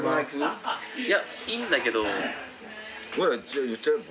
いやいいんだけど。